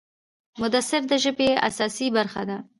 مصدر د ژبي اساسي برخه ده.